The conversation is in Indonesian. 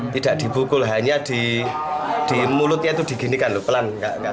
tidak dibukul hanya di mulutnya itu diginikan lho pelan